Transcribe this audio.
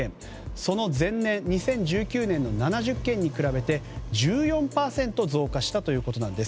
その前年２０１９年の７０件に比べて１４％増加したということなんです。